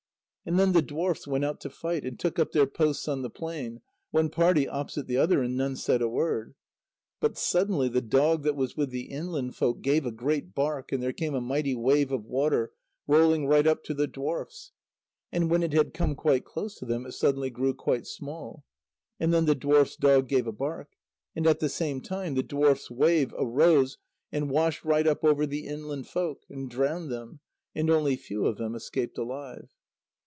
And then the dwarfs went out to fight, and took up their posts on the plain, one party opposite the other, and none said a word. But suddenly the dog that was with the inland folk gave a great bark, and there came a mighty wave of water, rolling right up to the dwarfs. But when it had come quite close to them, it suddenly grew quite small. And then the dwarfs' dog gave a bark. And at the same time the dwarfs' wave arose, and washed right up over the inland folk, and drowned them, and only few of them escaped alive.